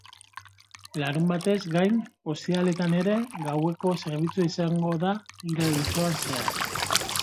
Larunbatez gain, ostiraletan ere gaueko zerbitzua izango da irail osoan zehar.